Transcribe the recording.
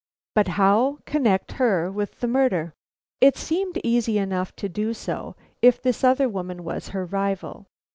But how connect her with the murder? It seemed easy enough to do so if this other woman was her rival.